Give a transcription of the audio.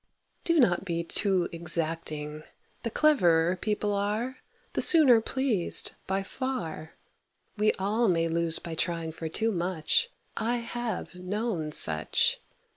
Do not be too exacting. The cleverer people are The sooner pleased, by far. We all may lose by trying for too much; I have known such.